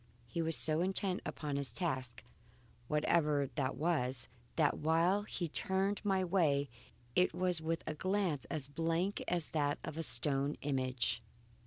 He was so intent upon his task, whatever that was, that while he turned my way, it was with a glance as blank as that of a stone image.